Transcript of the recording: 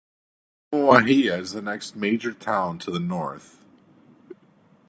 Umuahia is the next major town to the north.